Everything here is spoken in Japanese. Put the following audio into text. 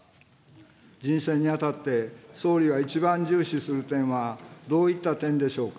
人選にあたって、総理が一番重視する点はどういった点でしょうか。